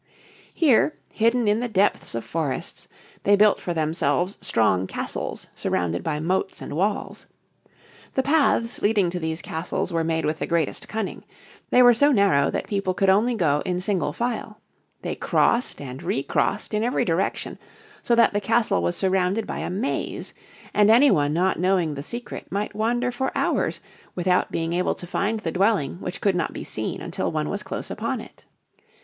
Here, hidden in the depths of forests, they built for themselves strong castles surrounded by moats and walls. The paths leading to these castles were made with the greatest cunning. They were so narrow that people could only go in single file. They crossed and re crossed in every direction, so that the castle was surrounded by a maze, and any one not knowing the secret might wander for hours without being able to find the dwelling which could not be seen until one was close upon it.